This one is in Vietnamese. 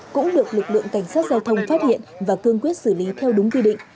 cũng được lực lượng cảnh sát giao thông phát hiện và cương quyết xử lý theo đúng quy định